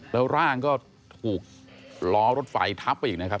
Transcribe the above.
แล้วร่างก็ถูกล้อรถไฟทับไปอีกนะครับ